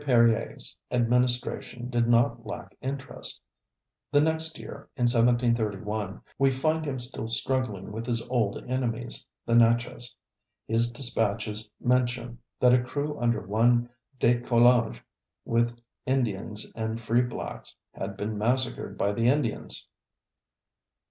Perier's administration did not lack interest. The next year, in 1731, we find him still struggling with his old enemies, the Natchez. His dispatches mention that a crew under one De Coulanges, with Indians and free blacks had been massacred by the Indians.